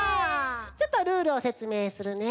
ちょっとルールをせつめいするね。